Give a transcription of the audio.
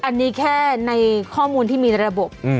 อันนี้แค่ในข้อมูลที่มีระบบ